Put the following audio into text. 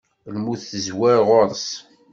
Lmut tezwar ɣur-s.